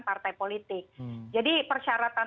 partai politik jadi persyaratan